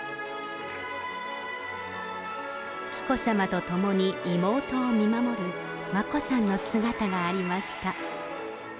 紀子さまと共に妹を見守る眞子さんの姿がありました。